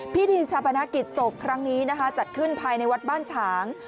พิธีชาปนกิจศพครั้งนี้นะคะจัดขึ้นภายในวัดบ้านฉาง